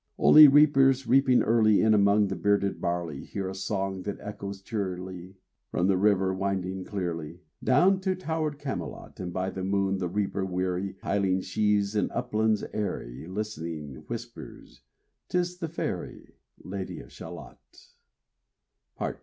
Only reapers, reaping early In among the bearded barley, Hear a song that echoes cheerly From the river winding clearly, Down to towered Camelot : And by the moon the reaper weary, Piling sheaves in uplands airy. Listening, whispers * 'Tis the fairy Lady of Shalott."